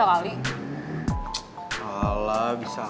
alah biar aku bisa nge